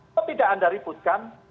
kok tidak anda ributkan